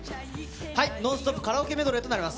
ノンストップカラオケメドレーになります。